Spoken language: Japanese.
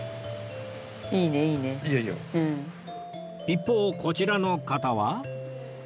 一方こちらの方は